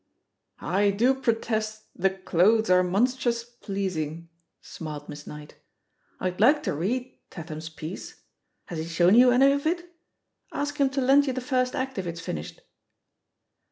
*" "I do protest the clothes are monstrous pleas ing," smiled IMiss Knight. "I'd like to read Tat ham's piece. Has he shown you any of it ? Ask him to lend you the first act if it's finished."